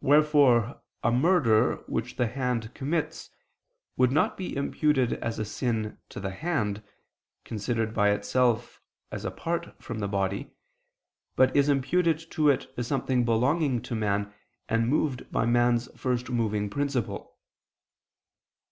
Wherefore a murder which the hand commits would not be imputed as a sin to the hand, considered by itself as apart from the body, but is imputed to it as something belonging to man and moved by man's first moving principle.